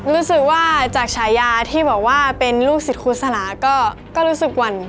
รู้สึกว่าจากฉายาที่บอกว่าเป็นลูกศิษย์ครูสลาก็รู้สึกหวั่น